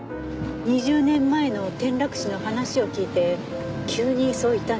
２０年前の転落死の話を聞いて急にそう言ったんですね？